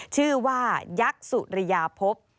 ชื่อว่ายักษ์สุริยาพบ